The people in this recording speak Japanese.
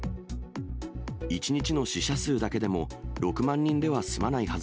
１日の死者数だけでも６万人では済まないはず。